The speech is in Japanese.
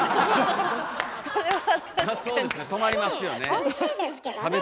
おいしいですけどね。